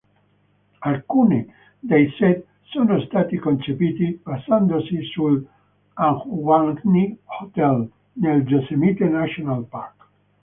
Alcuni dei set sono stati concepiti basandosi sull'Ahwahnee Hotel nel Yosemite National Park.